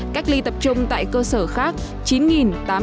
cách ly tập trung tại cơ sở khác là chín tám trăm ba mươi sáu chiếm một mươi chín